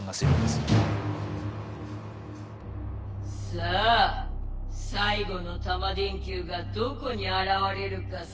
さあさい後のタマ電Ｑがどこにあらわれるかさぐるぽよ。